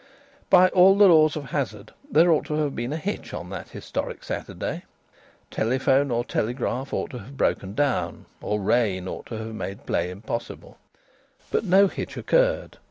By all the laws of hazard there ought to have been a hitch on that historic Saturday. Telephone or telegraph ought to have broken down, or rain ought to have made play impossible, but no hitch occurred.